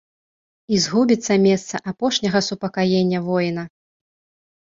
І згубіцца месца апошняга супакаення воіна.